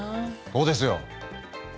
そうですよ。